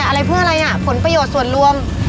อะไรเพื่ออะไรน่ะผลประโยชน์ส่วนรวม